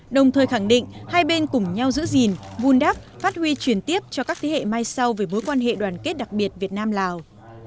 đồng thời khẳng định hai bên cùng nhau giữ gìn vun đắp phát huy truyền tiếp cho các thế hệ mai sau về mối quan hệ đoàn kết đặc biệt việt nam lào